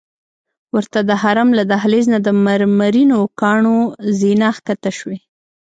ورته د حرم له دهلیز نه مرمرینو کاڼو زینه ښکته شوې.